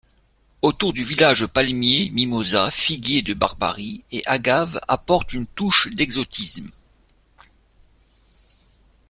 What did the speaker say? Autour du village palmiers, mimosas, figuiers de Barbarie et agaves apportent une touche d'exotisme.